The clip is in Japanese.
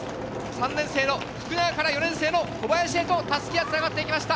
３年生の福永から４年生の小林へと襷が繋がっていきました。